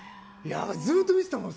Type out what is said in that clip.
ずっと見てたもん。